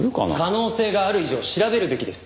可能性がある以上調べるべきです。